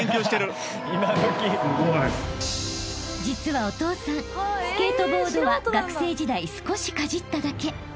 ［実はお父さんスケートボードは学生時代少しかじっただけ］